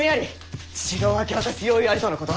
城を明け渡す用意ありとのこと。